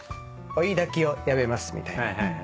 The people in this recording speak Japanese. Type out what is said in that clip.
「追いだきをやめます」みたいな。